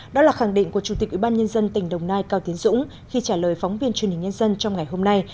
đó là khẳng định của chủ tịch ubnd tỉnh đồng nai cao tiến dũng khi trả lời phóng viên truyền hình nhân dân trong ngày hôm nay